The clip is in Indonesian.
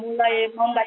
itu saja boleh baca